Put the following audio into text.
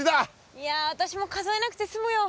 いや私も数えなくて済むよ。